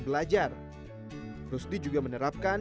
belajar harus di juga menerapkan